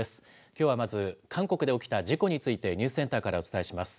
きょうはまず、韓国で起きた事故についてニュースセンターからお伝えします。